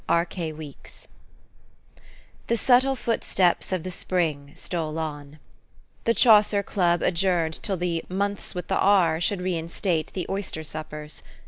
K. K. WEEKS. THE subtle footsteps of the spring stole on. The Chaucer Club adjourned till the "months with the r " should reinstate the oyster suppers.